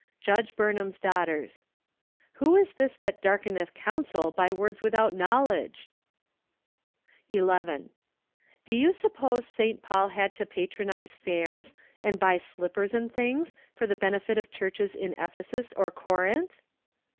Judge Burnham's Daughters. " Who is this that darkeneth counsel by words without knowledge?" 114 OCTOBER. 11. Bo you suppose St. Paul had to pat¬ ronize fairs, and buy slippers and things, for the benefit of churches in Ephesus or Corinth